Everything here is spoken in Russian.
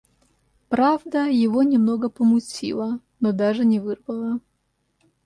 Правда, его немного помутило, но даже не вырвало.